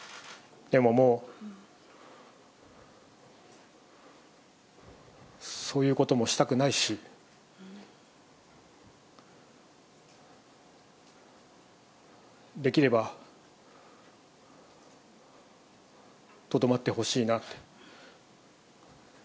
でももうそういうこともしたくないし、できればとどまってほしいなって。